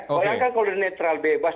bayangkan kalau netral bebas